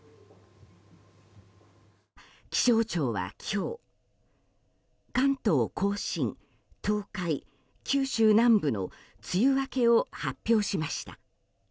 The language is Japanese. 気象庁は今日関東・甲信、東海、九州南部の梅雨明けを発表しました。